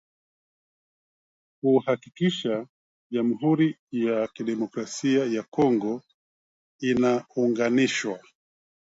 kuhakikisha jamuhuri ya kidemokrasia ya Kongo inaunganishwa